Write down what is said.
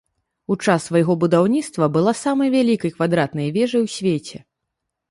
У час свайго будаўніцтва была самай вялікай квадратнай вежай у свеце.